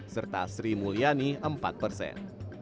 serta sri mulyani empat persen